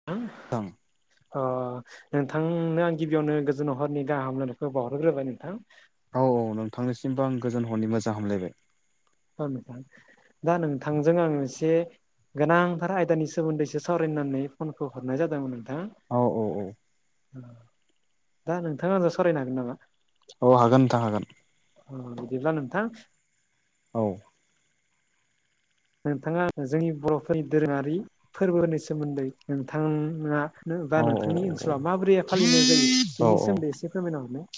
[unintelligible] [unintelligible] अ नोंथांनो आं गिबियावनो गोजोन हरनि गाह हामलायनायखौ बावहरग्रोबाय नोंथां औ नोंथांनिसिमबो आं गोजोन हरनि मोजां हामलायबाय नोंथां दा नोंथांजों आं एसे गोनांथार आयदानि सोमोन्दैसो सावरायनानै फनखौ हरनाय जादोंमोन नोंथां औ औ औ दा नोंथां आ आंजों सावरायनो हागोन नामा औ हागोन नोंथां हागोन औ बिदिब्ला नोंथां औ नोंथांङा जोंनि बर'फोरनि दोरोङारि फोरबोनि सोमोन्दै नोंथाङा औ बा नोंथांनि ओनसोलाव माबोरै फालिनाय जायो औ बेनि सोमोन्दै एसे फोरमायना हरनाय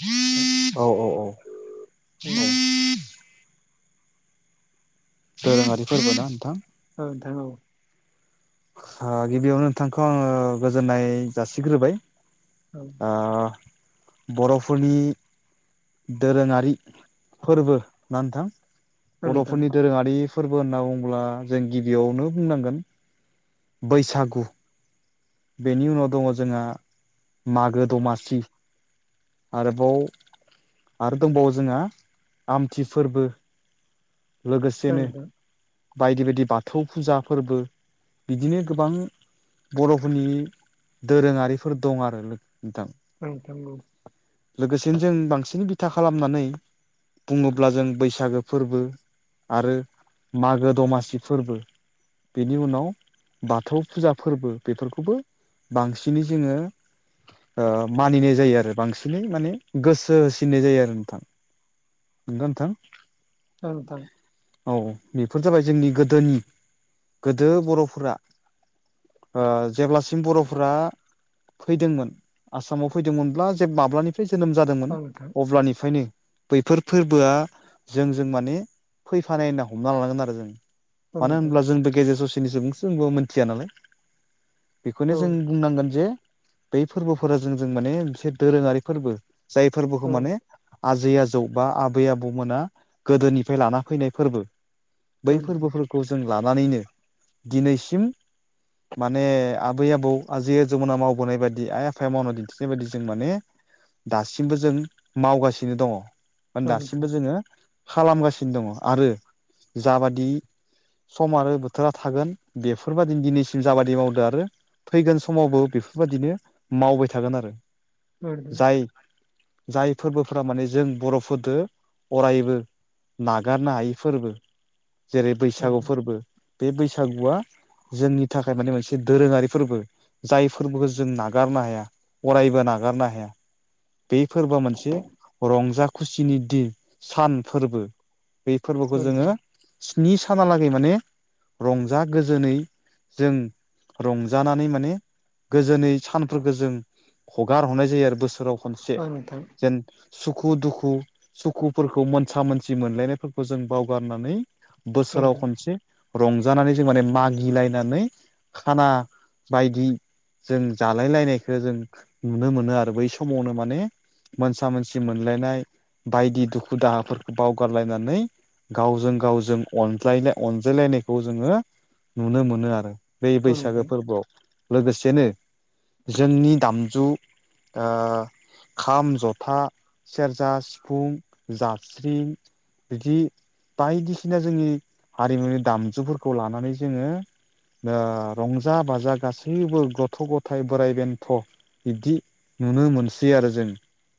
औ औ औ [inaudible] धोराङारि फोरबो ना नोथां? औ नोथां औ। गिबियावनो नोंथांखौ आङो गोजोननाय जासिग्रोबाय। औ। आ बर'फोरनि दोरोङारि फोरबो ना नोथां? नोंथां बर'फोरनि दोरोङारि फोरबो होनना बुंङोब्ला जों गिबियावनो बुंनांगोन बैसागु। बेनि उनाव दङ जोंहा मागो दमासि। आरोबाव आरो दंबावो जोंहा आमथि फोरबो औ लोगोसेनो बायदि बायदि बाथौ फुजा फोरबो बिदिनो गोबां बर' फोरनि दोरोङारिफोर दं आरो नोथां। औ औ। लोगोसेनो जों बांसिन बिथा खालामनानै बुङोब्ला जों बैसागो फोरबो, आरो मागो दमासि फोरबो, बेनि उनाव बाथौ फुजा फोरबो। बेफोरखौबो बांसिनै जोङो ओ मानिनाय जायो आरो बांसिनै माने गोसो होसिननाय जायो आरो नोंथां। नंग'ना नोंथां? औ नोंथां। औ बेफोर जाबाय जोंनि गोदोनि गोदो बर'फोरा ओ जेब्लासिम बर'फोरा फैदोंमोन आसामाव फैदोंमोनब्ला जे माब्लानि जोनोम जादोंमोन औ नोंथां अब्लानिफ्रायनो बैफोर फोरबोआ जों जों माने फैफानाय होनना हमना लानांगोन आरो जों। औ मानो नोंथां होनब्ला जोंबो गेजेर ससेनि सुबुंसो जोंबो मोन्थिया नालाय। बेखौनो औ जों बुंनांगोन जे बै फोरबोफोरा जों जों माने मोनसे दोरोङारि फोरबो जाय औ फोरबोखौ माने आजै आजौ बा आबै आबौमोना गोदोनिफ्राय लाना फैनाय फोरबो बै नोंथां फोरबोफोरखौ जों लानानैनो दिनैसिम माने आबै आबौ आजै आजौमोना मावबोनाय बायदि आइ आफाया मावना दिन्थिनाय बायदि जों माने दासिमबो जों मावगासिनो दङ। औ नोंथां दासिमबो जोङो खालामगासिनो दङ आरो जाबादि सम आरो बोथोरा थागोन बेफोरबायदिनो दिनैसिम जाबादि मावदो आरो फैगोन समावबो बेफोरबादिनो मावबाय थागोन आरो औ नोंथां जाय जाय फोरबोफोरा माने जों बर'फोरदो अरायबो नागारनो हायि फोरबो जेरै औ बैसागु फोरबो बे बैसागुआ जोंनि थाखाय माने मोनसे दोरोङारि फोरबो जायफोरबोखौ जों नागारनो हाया अरायबो नागारनो हाया। बे फोरबोआ मोनसे रंजा खुसिनि दिन सान फोरबो बे फोरबोखौ जोङो नोंथां स्नि सानालागै माने रंजा गोजोनै जों रंजानानै माने गोजोनै सानफोरखौ जों हगार हरनाय जायो आरो बोसोराव खनसे औ नोंथां जेन सुखु दुखु सुखुफोरखौ मोनसा मोनसि मोनलायनायफोरखौ जों बावगारनानै औ बोसोराव नोंथां खनसे रंजानानै जों माने मागिलायनानै खाना बायदि जों जालाय लायनायखौ जों नुनो मोनो आरो बै समाव समावनो माने मोनसा मोनसि मोनलायनाय बायदि दुखु दाहाफोरखौ बावगारलायनानै गावजों गावजों अनज्लाय अनजायलायनायखौ जोङो नुनो मोनो आरो बे औ नोंथां बैसागो फोरबोआव लोगोसेनो जोंनि दामजु ओ खाम, जथा, सेरजा, सिफुं, जाबस्रिं बिदि बायदिसिना जोंनि हारिमुनि दामजुफोरखौ लानानै जोङो ओ रंजा-बाजा गासैबो गथ' गथाय बोराइ बेन्थ' बिदि नुनो मोनसै आरो जों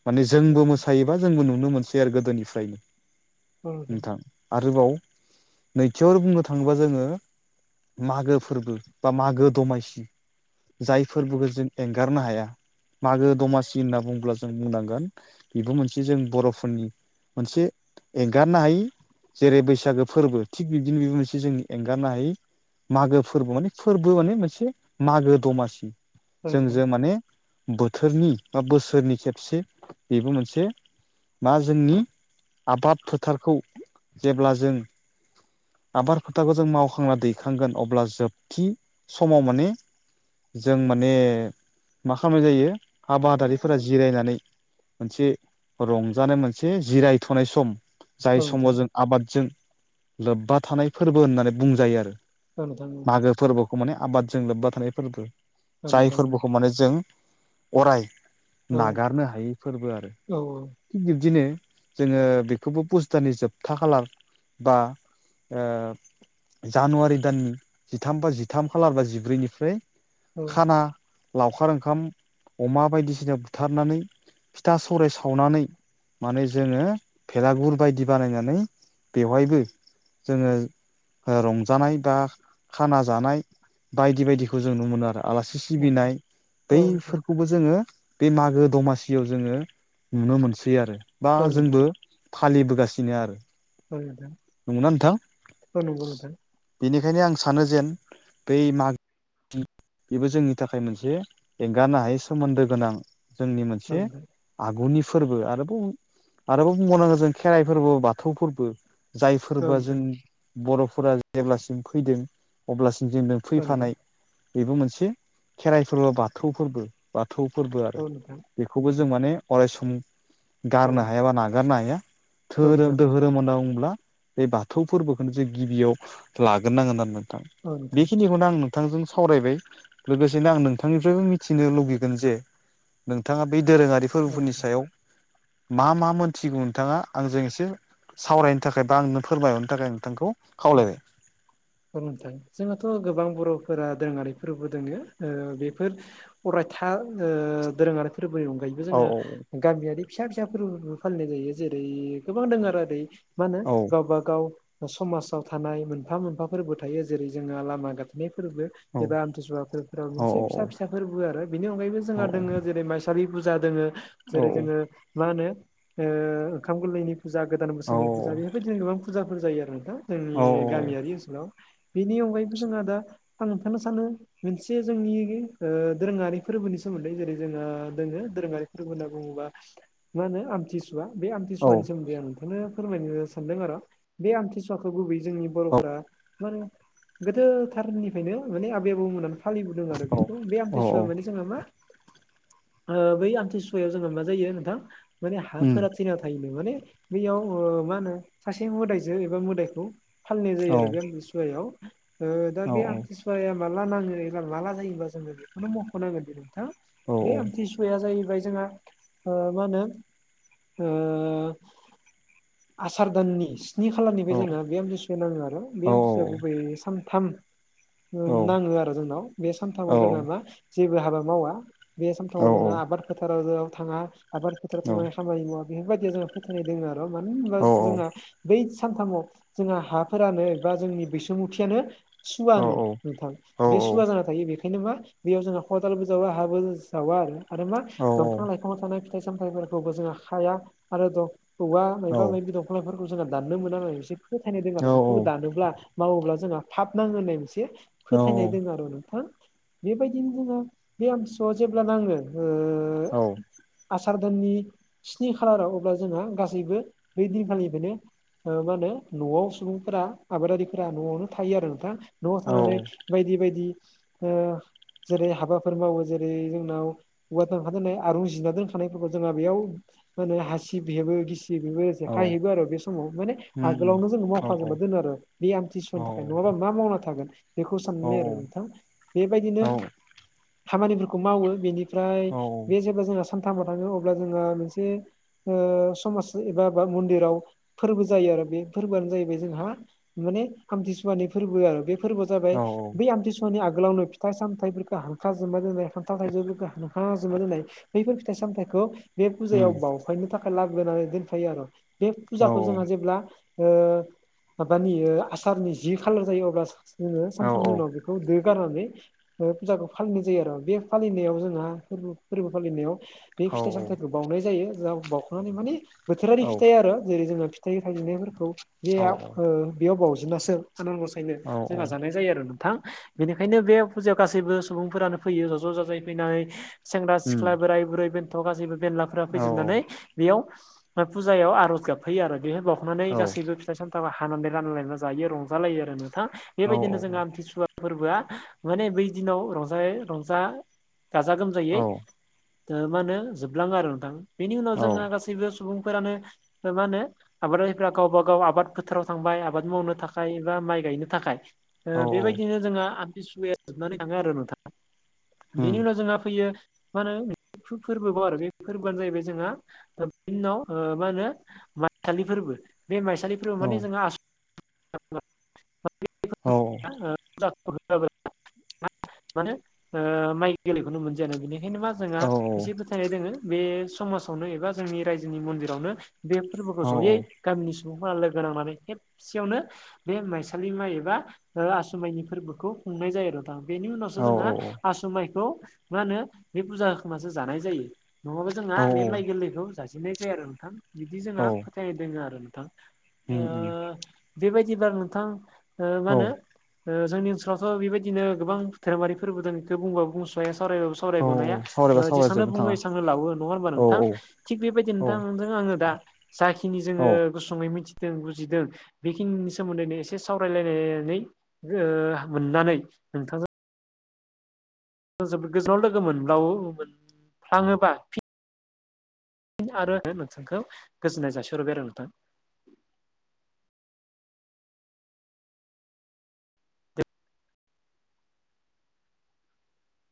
माने जोंबो मोसायो बा जोंबो नुनो मोनसै आरो गोदोनिफ्रायनो नोंथां आरोबाव नैथियाव आरो बुंनो थाङोबा जोङो मागो फोरबो बा मागो दमायसि जायफोरबोबो जों एंगारनो हाया मागो-दमासि होनना बुंङोब्ला जों बुंनांगोन बेबो मोनसे जों बर'फोरनि मोनसे एंगारनो हायि जेरै बैसागो फोरबो थिग बिबदिनो बे मोनसे जों एंगारनो हायि मागो फोरबो माने फोरबो माने मोनसे मागो दमासि औ नोंथां जोंजों माने बोथोरनि बा बोसोरनि खेबसे बेबो मोनसे मा जोंनि आबाद फोथारखौ जेब्ला जों आबाद फोथारखौ जों मावखांना दैखांगोन अब्ला जोबथि समाव माने जों माने मा खालामनाय जायो आबादारिफोरा जिरायनानै मोनसे रंजानाय मोनसे जिरायथ'नाय सम जाय औ समाव नोंथां जों आबादजों लोब्बा थानाय फोरबो होननानै बुंजायो आरो मागो फोरबोखौ माने आबादजों लोब्बा थानाय फोरबो औ जाय नोंथां फोरबोखौ माने जों अराय औ नागारनो हायै फोरबो आरो औ थिग बिब्दिनो जोङो बेखौबो पुस्तारनि जोबथा खालार बा ओ जानुवारि दाननि जिथाम बा जिथाम खालार बा जिब्रैनिफ्राय औ खाना लावखार ओंखाम अमा बायदिसिना बुथारनानै फिथा सौराय सावनानै माने जोङो भेलागुर बायदि बानायनानै बेवहायबो जोङो ओ रंजानाय बा खाना जानाय बायदि बायदिखौ जों नु मोनो आरो आलासि सिबिनाय औ नोंथां बै औ नोंथां खौबो जोङो बे मागो दमासियाव जोङो नुनो मोनसै आरो बा औ जोंबो नोंथां फालिबोगासिनो आरो औ नंगोना नोंथां नंगौ नोंथां बेनिखायनो आं सानो जेन बै मागो बेबो जोंनि थाखाय मोनसे गानो हायै सोमोन्दो गोनां जोंनि औ मोनसे नोंथां आगुनि फोरबो आरोबाव आरोबाव बुंबावनांगौ जों खेराइ फोरबो बाथौ फोरबो औ जायफोरबो जों नोंथां बर'फोरा जेब्लासिम फैदों अब्लासिम जों न औ नोंथां फैफानाय बेबो मोनसे खेराइ फोरबो बाथौ फोरबो बाथौ फोरबो आरो औ नोंथां औ बेखौबो जों नोंथां माने अराय सम औ गारनो हाया बा नागारनो हाया धोरोम नोंथां दोरोम होनना बुङोब्ला बे बाथौ फोरबोखौनो जों गिबियाव लाग्रोनांगोन आरो नोंथां औ नोंथां बेखिनिखौनो आं नोंथांजों सावरायबाय लोगोसेनो आं नोंथांनि फ्रायबो मिथिनो लुुबैगोन जे नोंथाङा बै दोरोङारि फोरबोफोरनि औ सायाव मा मा मोनथिगौ नोंथाङा आंजों एसे सावरायनो थाखाय बा आंनो फोरमायहरनो थाखाय नोंथांखौ औ खावलायबाय फोरुमथों जोंहाथ' गोबां बर'फोरा दोङारिफोरबो दोङो बेफोर अरायथा ओ दोरोङारिफोर फरबोनि अनगायै औ जोंङो गामियारि फिसा फिसा फोरबोबो फालिनाय जायो जेरै गोबां दङ आरो ओरै मा होनो औ गावब गाव समाज आव थानाय मोनफा मोनफा फोरबो थायो जेरै जोङो लामा गाथोननायफोरबो एबा आमथिसुवाफोरफोराव औ मोनसे फिसा फिसाफोरबो आरो बेनि अनायैबो जोंहा औ दङो जेरै मा फसाालि फुजा दोङो जेरै जोङो मा होनो ओंखाम गोरलैनि फुजा गोदान औ बोसोरनि फुजा बेफोरबायदिनो गोबां फुजाफोर जायो आरो न दा जोंनि गामियारि ओनसोलाव बेनि अनगायैबो जोंहा दा आं नथानो सानो मोनसे जोंनि दोरोङारि फोरबोनि सोमोन्दै जेरै जोङो दोङो दोरोङारि होनना बुङोबा मा होनो आमथि बे आमथिुवानि औ सोमोनदै आं इखोनो फोरमायनो सानदों आर' गुबै जोंनि बर'फोरा माने गोदोथारनिफ्रायनो माने आबै आबौ मोननानै फालिबोदों आरो बेखौ बे औ आमथसुवआ माने जोंहा मा बै आमथिसुवायाव जोंो मा जायो नोंथां माने हाफोरा' ना थायो माने बेयाव मा होनो सासे मोदायजों एबा मोदायखौ फालिनाय जायो आरो बे आमतसुवायाव दा बे औ आमथिसुव ाया माला नाङो ए माला जायोबा जोङो बेखौनो मख'नांगोन दि नोंथां बे औ औ आमथि उाया जाहैबाय जोंहा मा होनो आसार दाननि स्नि खालारनिफ्राय औ जोंङो बे आमसुसु नाङो आरो औ बे आमथिुसुआ गुबै सानथाम औ नाङो आरो जोंनाव बे सानथामाव जोंहा मा जेबो हाबा मावा बे औ समथाव जोङो आबाद फोथाराव थाङा आबाद फोथाराव औ थांनानै खामानि बेफोरबायदिया जोंहा फोथायनाय दङ आरो मानो होनबा औ जोंहा बै सानथामाव जोंहा हाफोरानो बा जोंनि बैसुमुथियानो औ सुवानो नोंथां बे सुवा जाना थायो बेखौ बेखायनो मा बेयाव जोंना खदालबो जावा हाबो जावा आरो आरो मा दंफां लाइफांव थानाय फामथाइ सामथाइफोरखौबो जोंहा हाया आरो दं औवा मबा माबि दं। खख्लाफोरखौ जोंहा दाननो मोना एसे फोथायनाय दं आरो बेखौबो दानोब्ला मावोब्ला जोंहा थाब नाङो होननाय मोनसे फोथायनाय दङ आरो नोंथां बेबायदिनो जोङो बे आमथिसुआव जेब्ला नाङो आसार दाननि स्नि खालाराव अब्ला जोंहा गासैबो ब दिनखालि बेनो मा होनो न'आव सुबुंफोरा आबादारिफोरा न'आवनो थायो आरो नोंथां न'आव थानानै बायदि बायदि जेरै हाबाफोर मावो जेरै जोंनाव औवा दांखा दोननाय आरो रुजिना दोनखानायफोरखौ जोंहा बेयाव म होने हासि बेेबो गिसि बेबो खाय हैबो आरो बे समाव माने आगोलावनो जोंङ औ मावख जोबना दोनो आरो बे आमथिसुवनि थाखाय नङाबा मा मावना थागोन बेखौ सान आरो औ नोंथां बेबायदिनो खामानिफोरखौ मावो बेनि ओमफ्राय बे जेब्ला जोंहा सानथामाव थाङो अब्ला जोंहा मोनसे समाज बाा मन्दिराव फोरबो जायो आरो बे फोरबोआनो जाहैबाय जोंहा मान ुवानि फोरबो आरो बे फोरबोआ जाबाय बै आमथिसुवानि आगोलावनो फिथाइ सामथाइफोरखौ गाहामफ्रा जोमना दोनबाय हान्थाल थाइजौबो गाहामफ्रा जुमना दोननाय बैफोर फिथाइ सामथाइखौ बे फुजायाव बावफायनो थाखाय लाग्रोनानै दोनफायो आरो बे फुजाखौ जोंहा जेब्ला ओ माबानि ओ आसारनि जि खालार जायो अब्ला जोङो सानथामनि उनाव बेखौ दोगारनानै ओ फुजाखौ फालिनाय जायो आरो बे फालिनायाव जोंहा फोरबो फोरबो फालिनायाव बे फिथाइ सामथायाइखौ बावनाय जायो बाउखांनानै माने बोथोरारि फिथाइ आरो जेरै जोङो फिथाइ गोथां नुनायफोरखौ बेयाव ओ बेयाव बावजेनासो आनान गसायनो जोंहा जानाय जायो आरो नोंथां। बेनिखायनो बे फुजायाव गासैबो सुबुंफोरानो फैयो ज' ज' जाजाय फैनानै सेंग्रा सिख्ला बोराय बुरै बेन्थ' गासैबो बेनलाफोरा फैजोबनानै बेयाव फुजायाव आर'ज गाबफैयो आरो बेहाय बावखांनानै गासैबो फिथाइ सामथाइ हानानै रानलायना जायो रंजालायो आरो नोंथां बेबायदिनो जों आमथिसुवा फोरबोआ माने बै दिनाव रंजै रंजा गाजा गोमजायै मा होनो जोबलाङो आरो नोंथां बेनि उनाव जोंहा गासैबो सुबुंफोरानो मा होनो आबादारिफ्रा गावबा गाव आबाद फोथाराव थांबाय आबाद मावनो थाखाय एबा माइ गायनो थाखाय ओ बेबायदिनो जोंहा आमथिसुवाया जोबनानै थाङो आरो नोंथां। बेनि उनाव जोंहा फैयो मा होनो [unintelligible] फो [unintelligible] फोर्बोबाव आरो बे फोरबोआनो जाहैबाय जोंहा बिनि उनाव ओ मा होनो माइसालि [unintelligible] फोरबो बे माइसालि फोरबो माने जोंहा आस [unintelligible] [inaudible] [unintelligible] औ मा होनो ओ [unintelligible] [inaudible] माय गेलेखौनो मोनजायानो बेनिखायनो मा जोंहा एसे फोथायनाय दोङो बे समाजावनो एबा‌ ़़ जोंनि रायजोनि मन्दिरावनो बे फोरबोखौ जयै [inaudible] गामिनि सुबुंफोरा लोगो नांनानै खेबसेयावनो बे माइसालि माइ एबा ओ आसु माइनि फोरबोखौ [inaudible] खुंनाय जायो नोंथां बेनि उनावसो जोंहा [inaudible] माइखौ मा होनो बे फुजा होखांनासो जानाय जायो नङाबा जोंहा बे माइ गोरलैखौ जाजेननाय जाया आरो नोंथां बिदि जोंहा फोथायनाय दोङो आरो नोंथां औ ओ बेबायदिबा नोंथां ओ मा औ होनो [inaudible] ओ जोंनि ओनसोलावथ' बेबायदिनो गोबां धोरोमारि फोरबो दं बेखौ बुंबाबो बुंस'हाया सावरायबाबो सावरायनाया औ ओ सावरायबा जेसेबां सावरायजोबनो बुङो थाङा एसेबांनो लावओ नङा होमबा औ नोंथां औ थिक बेबायदिनो औ नोंथां [unintelligible] आङो दा जाखिनि जोङो औ गुसुङै [unintelligible] बुजिदों बेखिनि सोमोन्दैनो एसे सावरायलायनानै ओ मोननानै नोंथांजों जोबोद गोजानाव [unintelligible] लोगो मोनब्लावो मोनफ्लाङोबा [inaudible] आरो [unintelligible] नोंथांखौ गोजोननाय जासिहरबाय आरो नोंथां